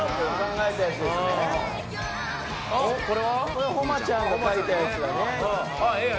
これ誉ちゃんが描いたやつだね。